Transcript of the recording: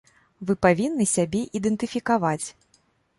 Вы павінны сябе ідэнтыфікаваць.